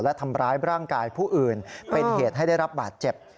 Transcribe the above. และทำร้ายร่างกายผู้อื่นเป็นเหตุให้ได้รับบาดเจ็บ